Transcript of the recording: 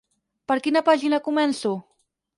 Per quina pàgina començo?